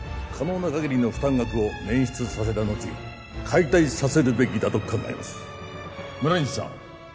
可能なかぎりの負担額を捻出させたのち解体させるべきだと考えます村西さん